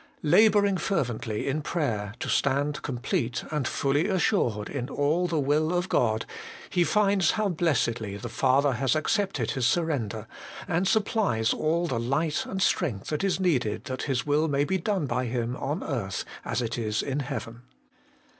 ' Labouring fervently in prayer to stand complete and fully assured in all the will of God,' he finds how blessedly the Father has accepted his surrender, and supplies all the light and strength that is needed that His will may be done by him on earth as it is in heaven.